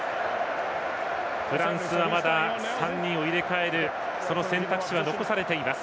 フランスはまだ３人を入れ替えるその選択肢は残されています。